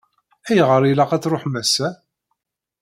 Ayɣer i ilaq ad tṛuḥem ass-a?